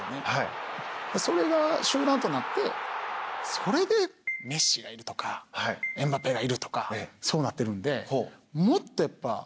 それでメッシがいるとかエムバペがいるとかそうなってるんで。